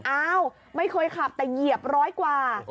อ้าวไม่เคยขับแต่เหยียบร้อยกว่า